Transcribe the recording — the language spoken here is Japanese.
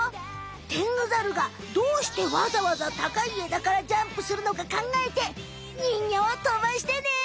テングザルがどうしてわざわざ高い枝からジャンプするのかかんがえてにんぎょうをとばしてね！